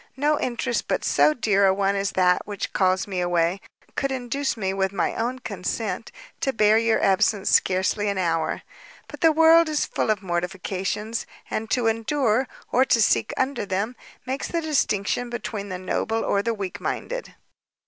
no interest but so dear a one as that which calls me away, should induce me, with my own consent, to bear your absence scarcely an hour; but the world is full of mortifications, and to endure, or to sink under them, makes all the distinction between the noble or the weak minded.